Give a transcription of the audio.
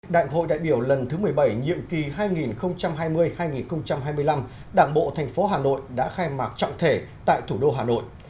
đại hội đại biểu lần thứ một mươi bảy nhiệm kỳ hai nghìn hai mươi hai nghìn hai mươi năm đảng bộ thành phố hà nội đã khai mạc trọng thể tại thủ đô hà nội